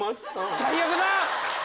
最悪だ。